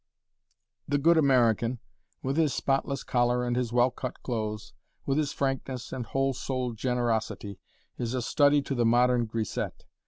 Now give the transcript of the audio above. The good American, with his spotless collar and his well cut clothes, with his frankness and whole souled generosity, is a study to the modern grisette.